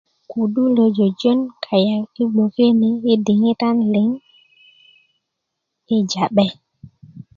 kudu lo jöjön kayaŋ yi gboke ni yi diŋitan liŋ yi ja'be